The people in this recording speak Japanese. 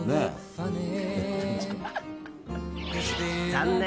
残念。